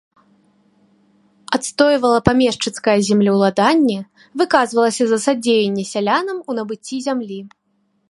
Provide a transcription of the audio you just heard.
Адстойвала памешчыцкае землеўладанне, выказвалася за садзеянне сялянам у набыцці зямлі.